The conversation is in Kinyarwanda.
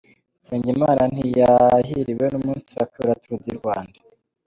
Nsengimana ntiyahiriwe n’umunsi wa kabiri wa Tour du Rwanda.